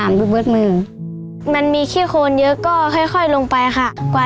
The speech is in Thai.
หนูก็เสียใจค่ะที่ไม่มีพ่อมีแม่เหมือนเพื่อนค่ะ